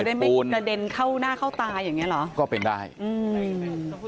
ได้ไม่กระเด็นเข้าหน้าเข้าตาอย่างเงี้เหรอก็เป็นได้อืม